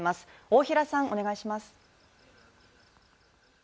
大平さんお願いします。